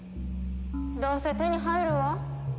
どうせ手に入るわ。